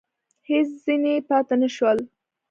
هېڅ ځني پاته نه شول !